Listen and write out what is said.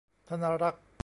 ธนรักษ์